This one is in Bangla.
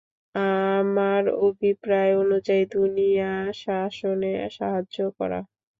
আমার অভিপ্রায় অনুযায়ী দুনিয়া শাসনে সাহায্য করা!